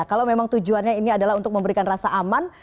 kalau memang tujuannya ini adalah untuk memberikan rasa aman